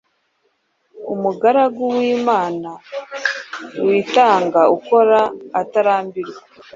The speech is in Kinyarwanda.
Umugaragu w’Imana witanga ukora atarambirwa,